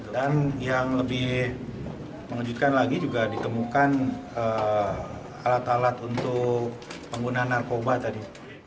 dan yang lebih mengejutkan lagi juga ditemukan alat alat untuk pengguna narkoba tadi